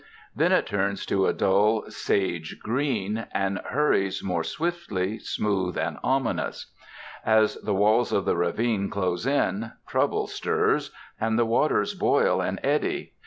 Then it turns to a dull sage green, and hurries more swiftly, smooth and ominous. As the walls of the ravine close in, trouble stirs, and the waters boil and eddy.